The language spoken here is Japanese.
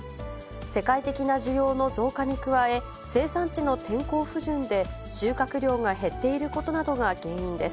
世界的な需要の増加に加え、生産地の天候不順で収穫量が減っていることなどが原因です。